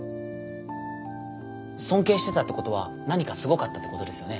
尊敬してたってことは何かすごかったってことですよね。